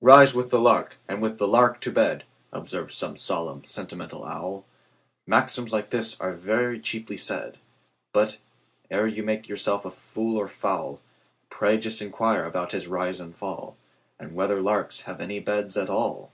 "Rise with the lark, and with the lark to bed,"Observes some solemn, sentimental owl; Maxims like these are very cheaply said; But, ere you make yourself a fool or fowl, Pray just inquire about his rise and fall, And whether larks have any beds at all!